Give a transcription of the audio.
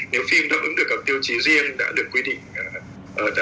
nếu phim đáp ứng được các tiêu chí riêng đã được quy định